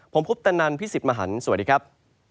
ผมพุฟตนันพี่สิบมหันภ์สวัสดีครับ